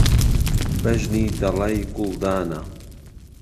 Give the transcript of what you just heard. بهژنی دهڵهی گوڵدانه